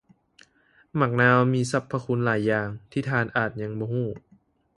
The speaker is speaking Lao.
ໝາກນາວມີສັບພະຄຸນຫຼາຍຢ່າງ ທີ່ທ່ານອາດຍັງບໍ່ຮູ້